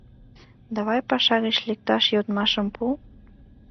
Давай, паша гыч лекташ йодмашым пу.